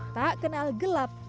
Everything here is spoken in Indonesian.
tak kenal gelap